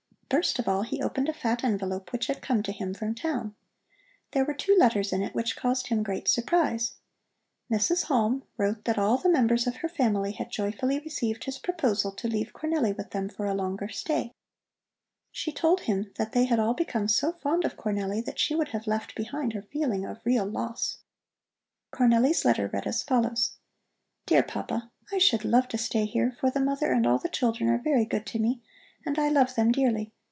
First of all he opened a fat envelope which had come to him from town. There were two letters in it which caused him great surprise. Mrs. Halm wrote that all the members of her family had joyfully received his proposal to leave Cornelli with them for a longer stay. She told him that they had all become so fond of Cornelli that she would have left behind a feeling of real loss. Cornelli's letter read as follows: DEAR PAPA: I should love to stay here, for the mother and all the children are very good to me, and I love them dearly.